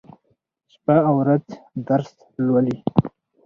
شپه او ورځ درس لولي.